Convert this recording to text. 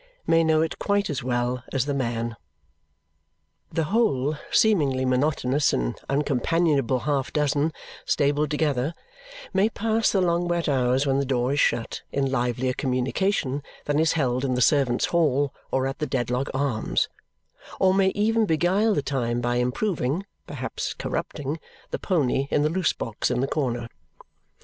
may know it quite as well as the man. The whole seemingly monotonous and uncompanionable half dozen, stabled together, may pass the long wet hours when the door is shut in livelier communication than is held in the servants' hall or at the Dedlock Arms, or may even beguile the time by improving (perhaps corrupting) the pony in the loose box in the corner.